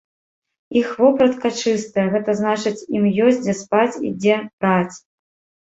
Іх вопратка чыстая, гэта значыць, ім ёсць, дзе спаць і дзе праць.